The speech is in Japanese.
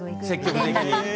積極的に？